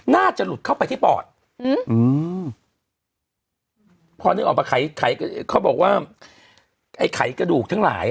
น่าจะหลุดเข้าไปที่ปอดพอนึกออกมาไขกระดูกเขาบอกว่าไขกระดูกทั้งหลาย